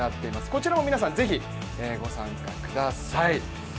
こちらも皆さん、ぜひご参加ください。